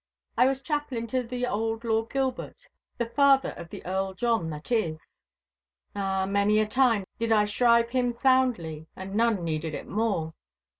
I was chaplain to the old Lord Gilbert, the father of the Earl John that is. Ah, many a time did I shrive him soundly, and none needed it more.